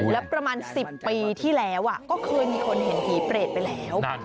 แล้วประมาณ๑๐ปีที่แล้วก็เคยมีคนเห็นผีเปรตไปแล้ว